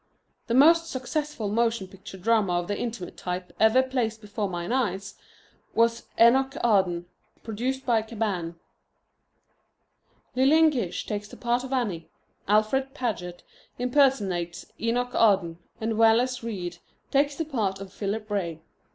The most successful motion picture drama of the intimate type ever placed before mine eyes was Enoch Arden, produced by Cabanne. Lillian Gish takes the part of Annie, Alfred Paget impersonates Enoch Arden, and Wallace Reid takes the part of Philip Ray.